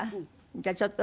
じゃあちょっと。